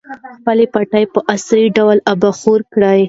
خپلې پټۍ په عصري ډول اوبخور کړئ.